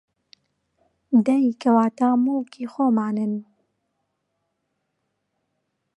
دەی کەواتە موڵکی خۆمانن